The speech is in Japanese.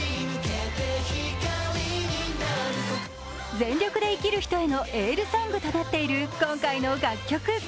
全力で生きる人へのエールソングとなっている今回の楽曲。